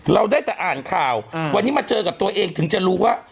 เราได้แต่อ่านข่าววันนี้มาเจอกับตัวเองถึงจะรู้ว่า